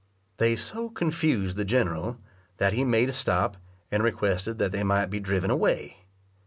They so confused the general, that he made a stop, and requested that they might be driven away.